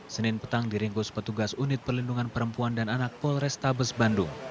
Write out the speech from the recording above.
senin petang diringkus petugas unit perlindungan perempuan dan anak polrestabes bandung